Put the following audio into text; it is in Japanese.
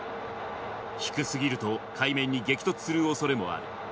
低すぎると、海面に激突するおそれもある。